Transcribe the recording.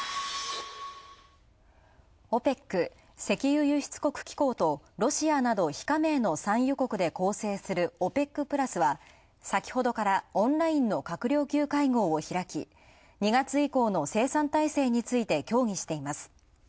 ＯＰＥＣ＝石油輸出国機構とロシアなど非加盟の産油国で構成するＯＰＥＣプラスは先ほどからオンラインの閣僚級会議を開き２月以降の生産体制について協議しています。